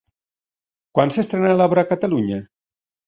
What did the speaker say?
Quan s'estrena l'obra a Catalunya?